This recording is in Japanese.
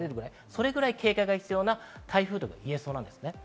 それくらい警戒が必要な台風と言えそうです。